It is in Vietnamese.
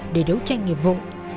để đấu tranh nghiệp vụ